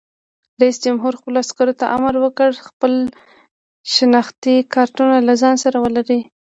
رئیس جمهور خپلو عسکرو ته امر وکړ؛ خپل شناختي کارتونه له ځان سره ولرئ!